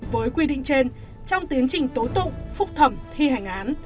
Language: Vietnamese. với quy định trên trong tiến trình tố tụng phúc thẩm thi hành án